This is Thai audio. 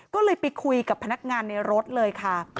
ก็เลยไปคุยกับพนักงานในรถเลยค่ะ